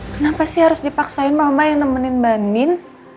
kenapa sih harus dipaksain mama yang nemenin mbak andin